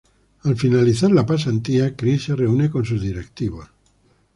Al finalizar la pasantía, Chris se reúne con sus directivos.